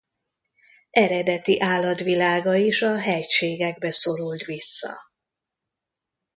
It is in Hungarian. Eredeti állatvilága is a hegységekbe szorult vissza.